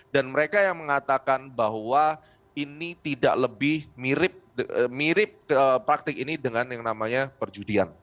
dan mereka yang mengatakan bahwa ini tidak lebih mirip praktik ini dengan yang namanya perjudian